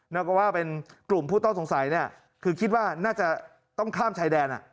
แล้วก็ว่าเป็นกลุ่มผู้ต้องสงสัยเนี่ยคือคิดว่าน่าจะต้องข้ามชายแดน